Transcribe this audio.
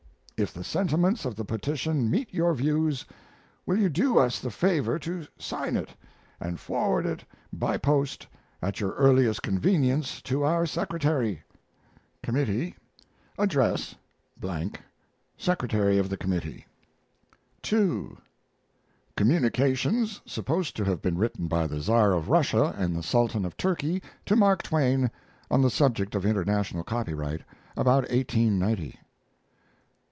If the sentiments of the petition meet your views, will you do us the favor to sign it and forward it by post at your earliest convenience to our secretary? }Committee Address Secretary of the Committee. II. Communications supposed to have been written by the Tsar of Russia and the Sultan of Turkey to Mark Twain on the subject of International Copyright, about 1890. ST.